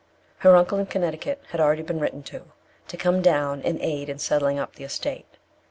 Her uncle in Connecticut had already been written to, to come down and aid in settling up the estate.